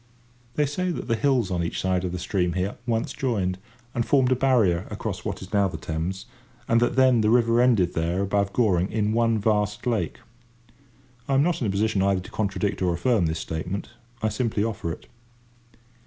They say that the hills on each ride of the stream here once joined and formed a barrier across what is now the Thames, and that then the river ended there above Goring in one vast lake. I am not in a position either to contradict or affirm this statement. I simply offer it.